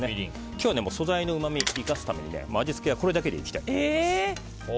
今日は素材のうまみを生かすために味付けはこれだけでいきたいと思います。